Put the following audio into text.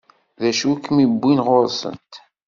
D acu i k-iwwin ɣur-sent?